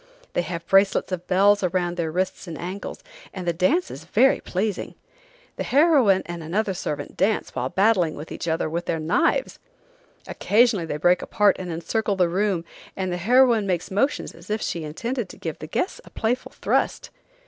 They have bracelets of bells around their wrists and ankles, and the dance is very pleasing. The heroine and another servant dance while battling with each other with their knives. Occasionally they break apart and encircle the room, and the heroine makes motions as if she intended to give the guests a playful thrust.